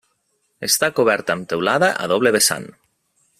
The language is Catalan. Està coberta amb teulada a doble vessant.